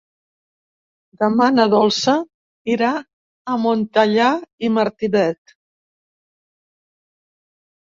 Demà na Dolça irà a Montellà i Martinet.